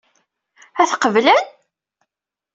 Ad t-qeblen?